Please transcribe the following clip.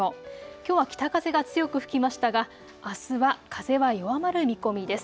きょうは北風が強く吹きましたがあすは風は弱まる見込みです。